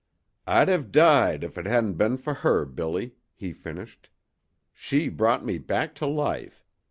"I'd have died if it hadn't been for her, Billy," he finished. "She brought me back to life.